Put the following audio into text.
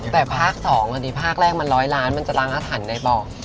แต่ภาค๒อาทิตย์ภาคแรกมัน๑๐๐ล้านมันจะล้างอาถรรพ์ได้เปล่า